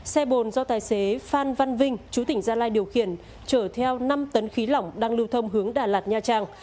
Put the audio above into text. xe bồn do tài xế phan văn vinh chú tỉnh gia lai điều khiển chở theo năm tấn khí lỏng đang lưu thông hướng đà lạt nha trang